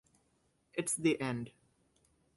It's the end.